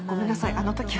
あの時は。